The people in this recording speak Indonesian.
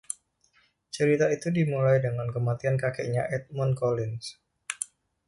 Cerita itu dimulai dengan kematian kakeknya, Edmund Collins.